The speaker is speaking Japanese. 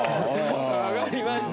分かりました。